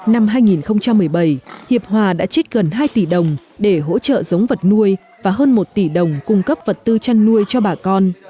năm hai nghìn một mươi bảy hiệp hòa đã trích gần hai tỷ đồng để hỗ trợ giống vật nuôi và hơn một tỷ đồng cung cấp vật tư chăn nuôi cho bà con